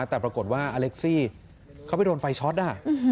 แต่ปรากฏว่าอเล็กซี่เขาไปโดนไฟช็อต